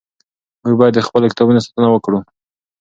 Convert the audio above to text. موږ باید د خپلو کتابونو ساتنه وکړو.